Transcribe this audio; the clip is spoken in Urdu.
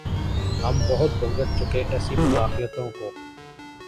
ہم بہت بھگت چکے ایسی مداخلتوں کو۔